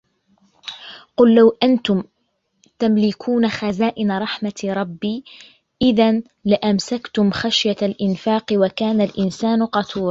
قُلْ لَوْ أَنْتُمْ تَمْلِكُونَ خَزَائِنَ رَحْمَةِ رَبِّي إِذًا لَأَمْسَكْتُمْ خَشْيَةَ الْإِنْفَاقِ وَكَانَ الْإِنْسَانُ قَتُورًا